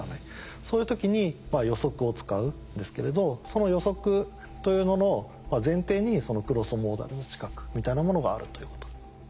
そういう時に予測を使うんですけれどその予測というのの前提にそのクロスモーダルの知覚みたいなものがあるということ。